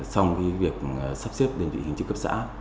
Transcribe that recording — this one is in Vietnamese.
xong cái việc sắp xếp đơn vị hành chính cấp xã